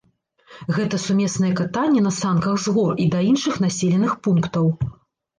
Гэта сумеснае катанне на санках з гор і да іншых населеных пунктаў.